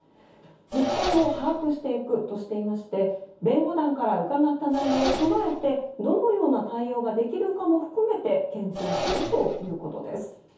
実態を把握していくとしていまして弁護団から伺った内容を踏まえてどのような対応ができるかも含めて検討するということです。